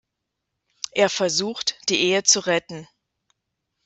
Er versucht, die Ehe zu retten.